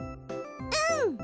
うん！